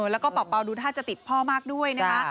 แล้วก็เป่าดูท่าจะติดพ่อมากด้วยนะคะ